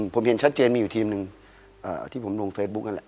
ผมเห็นชัดเจนมีอยู่ทีมหนึ่งที่ผมลงเฟซบุ๊กนั่นแหละ